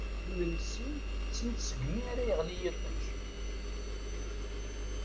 Imensi tetten-t seg mi ara yeɣli yiṭij.